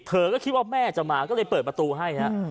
เธอก็คิดว่าแม่จะมาก็เลยเปิดประตูให้ฮะ